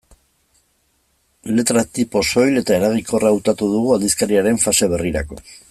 Letra-tipo soil eta eraginkorra hautatu dugu aldizkariaren fase berrirako.